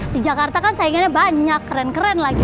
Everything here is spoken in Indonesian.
di jakarta kan saingannya banyak keren keren lagi